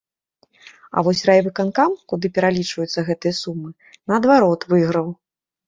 А вось райвыканкам, куды пералічваюцца гэтыя сумы, наадварот, выйграў.